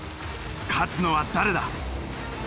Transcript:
勝つのは誰だ。